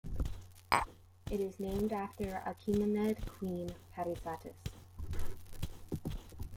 It is named after Achaemenid Queen Parysatis.